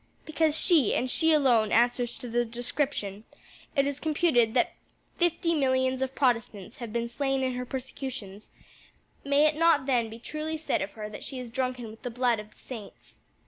"Because she, and she alone, answers to the description. It is computed that fifty millions of Protestants have been slain in her persecutions; may it not then be truly said of her that she is drunken with the blood of the saints?"